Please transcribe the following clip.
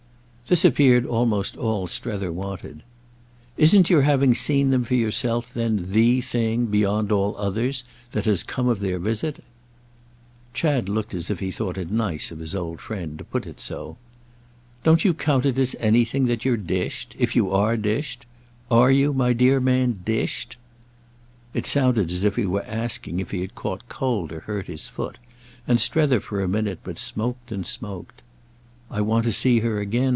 This appeared almost all Strether wanted. "Isn't your having seen them for yourself then the thing, beyond all others, that has come of their visit?" Chad looked as if he thought it nice of his old friend to put it so. "Don't you count it as anything that you're dished—if you are dished? Are you, my dear man, dished?" It sounded as if he were asking if he had caught cold or hurt his foot, and Strether for a minute but smoked and smoked. "I want to see her again.